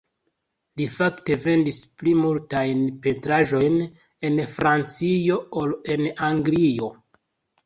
Li fakte vendis pli multajn pentraĵojn en Francio ol en Anglio.